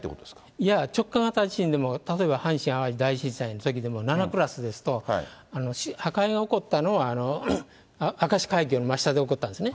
いや、直下型地震でも例えば阪神・淡路大震災のときでも、７クラスですと、破壊が起こったのは明石海峡の真下で起こったんですね。